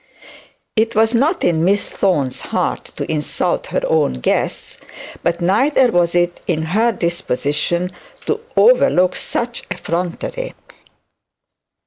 It was not in Miss Thorne's heart to insult her own guests; but neither was it in her disposition to overlook such effrontery.